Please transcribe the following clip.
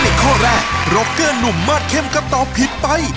ข้อแรกร็อกเกอร์หนุ่มมาสเข้มก็ตอบผิดไป